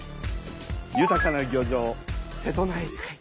ゆたかな漁場瀬戸内海。